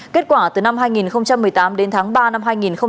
kết quả từ năm hai nghìn một mươi tám đến tháng ba năm hai nghìn hai mươi